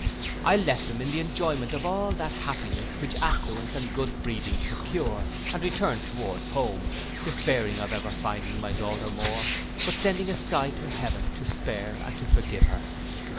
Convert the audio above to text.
I left them in the enjoyment of all that happiness which affluence and good breeding procure, and returned towards home, despairing of ever finding my daughter more, but sending a sigh to heaven to spare and to forgive her.